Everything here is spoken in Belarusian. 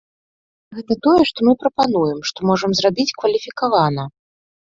Гэта тое, што мы прапануем, што можам зрабіць кваліфікавана.